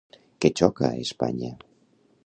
Què xoca a Espanya?